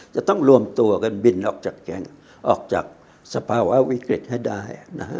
จะต้องรวมตัวกันบินออกจากเครงออกจากสภาวะวิกฤตให้ได้